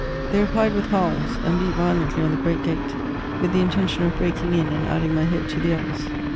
They replied with howls ; and beat violently on the great gate, with the intention of breaking in and adding my head to the others.